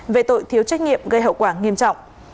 về tội thiếu trách nhiệm gây hậu quả nghiêm trọng